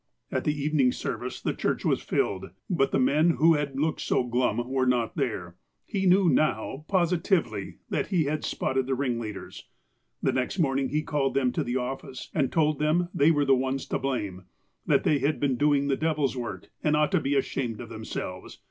At the evening service the church was filled ; but the men who had looked so glum were not there. He knew now positively that he had spotted the ringleaders. The next morning he called them to the office, and told them that they were the ones to blame — that they had been doing the devil's work, and ought to be ashamed of themselves.